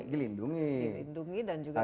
dilindungi dan juga diperdayakan